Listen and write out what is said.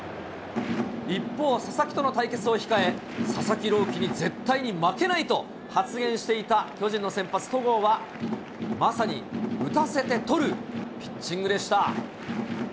一方、佐々木との対決を控え、佐々木朗希に絶対に負けないと発言していた、巨人の先発、戸郷はまさに打たせて取るピッチングでした。